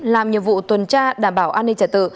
làm nhiệm vụ tuần tra đảm bảo an ninh trả tự